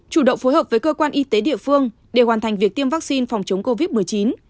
chủ động phối hợp với cơ quan y tế địa phương để hoàn thành việc tiêm vaccine phòng chống covid một mươi chín